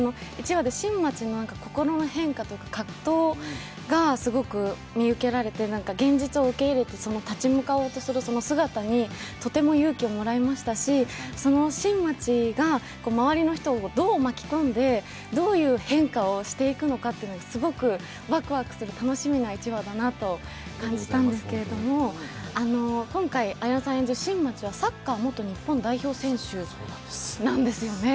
１話で新町の心の変化とか葛藤とかがすごく見受けられて、現実を受け入れて立ち向かおうとするその姿にとても勇気をもらいましたしその新町が、周りの人をどう巻き込んでどういう変化をしていくのか、すごくワクワクする楽しみな１話だなと感じたんですけど今回、綾野さん演じる新町はサッカー元日本代表選手なんですよね。